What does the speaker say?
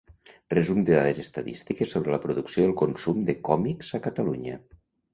Resum de dades estadístiques sobre la producció i el consum de còmics a Catalunya.